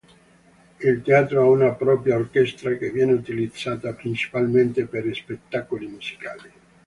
Il teatro ha una propria orchestra, che viene utilizzata principalmente per spettacoli musicali.